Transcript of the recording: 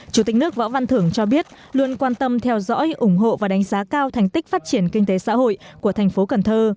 chủ tịch nước võ văn thưởng cho biết luôn quan tâm theo dõi ủng hộ và đánh giá cao thành tích phát triển kinh tế xã hội của thành phố cần thơ